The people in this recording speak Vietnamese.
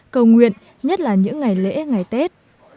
cầu nguyện nhất là những ngày lễ ngày tết